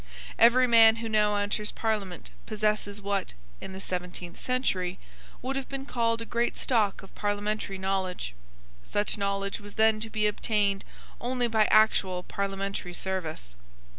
Every man who now enters Parliament possesses what, in the seventeenth century, would have been called a great stock of parliamentary knowledge. Such knowledge was then to be obtained only by actual parliamentary service.